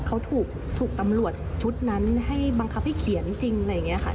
เขาถูกตำรวจชุดนั้นให้บังคับให้เขียนจริงอะไรอย่างนี้ค่ะ